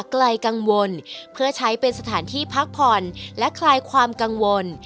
ไกลกังวลเพื่อใช้เป็นสถานที่พักผ่อนและคลายความกังวล